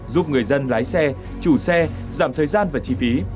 giúp người dân lái xe chủ xe giảm thời gian và chi phí